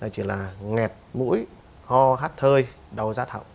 chỉ là nghẹt mũi ho hát thơi đau rát hỏng